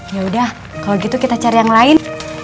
ya udah kalau gitu kita cari yang lain